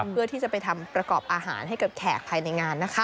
เพื่อที่จะไปทำประกอบอาหารให้กับแขกภายในงานนะคะ